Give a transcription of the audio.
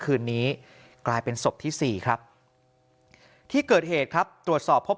คืนนี้กลายเป็นศพที่๔ครับที่เกิดเหตุครับตรวจสอบพบ